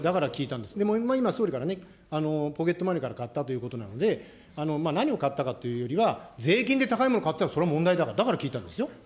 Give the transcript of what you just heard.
でも今総理からね、ポケットマネーから買ったということなんで、何を買ったかっていうよりは、税金で高いもの買ったらそれは問題だと、だから聞いたんですよ。